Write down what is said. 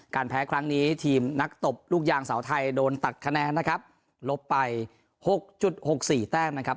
การแพ้ครั้งนี้ทีมนักตบลูกยางเสาไทยโดนตัดคะแนนนะครับลบไป๖๖๔แต้งนะครับ